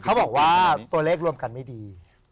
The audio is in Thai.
เขาบอกว่าตัวเลขรวมกันไม่ดี